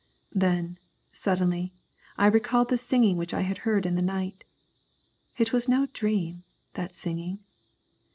Then, suddenly, I recalled the singing which I had heard in the night. It was no dream, that singing.